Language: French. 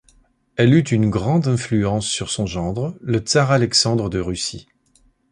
Elle eut une grande influence sur son gendre le tsar Alexandre de Russie.